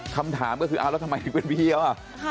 คำถามก็คืออ่าแล้วทำไมเป็นพี่เขาอ่ะค่ะ